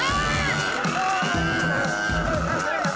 tidak tidak tidak